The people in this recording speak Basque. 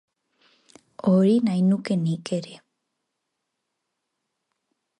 Hori nahi nuke nik ere.